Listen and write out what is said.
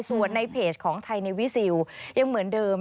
ส่วนในเพจของไทยในวิซิลยังเหมือนเดิม